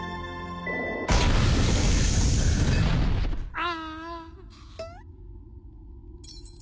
あ。